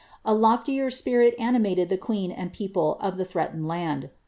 A loftier spirit anic queen and people of the ihreaiened land.